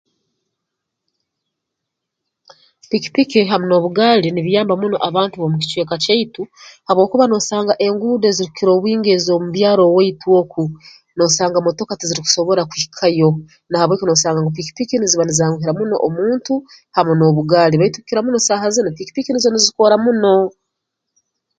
Pikipiki hamu n'obugaali nibiyamba muno abantu b'omu kicweka kyaitu habwokuba noosanga enguude ezikukira obwingi ez'omu byaaro owaitu oku noosanga motoka tizirukusobora kuhikayo na habw'eki noosanga pikipiki niziba nizanguhira muno omuntu hamu n'obugaali baitu kukira muno saaha zinu pikipiki nizo nizikora muno